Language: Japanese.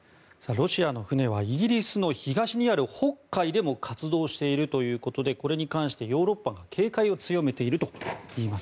ロシアの船はイギリスの東にある北海でも活動しているということでこれに関してヨーロッパが警戒を強めているといいます。